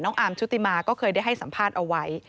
อาร์มชุติมาก็เคยได้ให้สัมภาษณ์เอาไว้